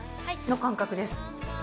感覚です。